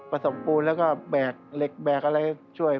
ผสมบูรณ์แล้วก็แบบเรียกแบบอะไรก็ช่วย